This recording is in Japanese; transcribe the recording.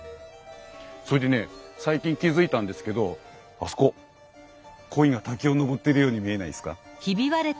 それでね最近気付いたんですけどあそこ鯉が滝を登ってるように見えないですか？